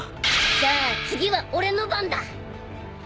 じゃあ次は俺の番だ！